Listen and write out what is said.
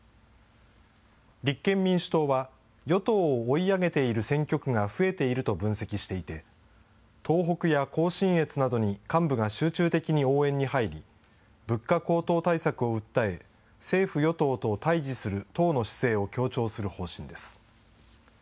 立憲民主党は、与党を追い上げている選挙区が増えていると分析していて、東北や甲信越などに幹部が集中的に応援に入り、物価高騰対策を訴え、政府・与党と対じする党の姿勢を強調する方針です。